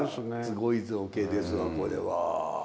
すごい造形ですわこれは。